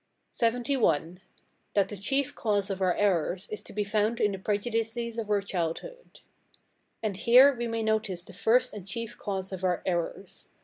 LXXI. That the chief cause of our errors is to be found in the prejudices of our childhood. And here we may notice the first and chief cause of our errors.